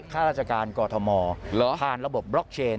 ข้าราชการกอทมผ่านระบบบล็อกเชน